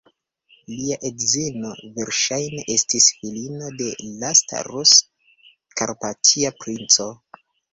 Lia edzino, verŝajne, estis filino de lasta Rus-karpatia princo.